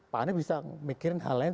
pak anies bisa mikirin hal lain